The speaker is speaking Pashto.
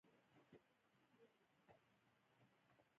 آیا دوغ یا شړومبې د دوی خوښ نه دي؟